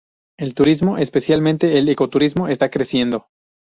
El turismo, especialmente el ecoturismo, está creciendo.